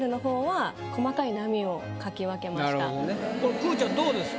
くーちゃんどうですか？